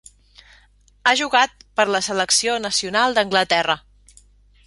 Ha jugat per la selecció nacional d'Anglaterra.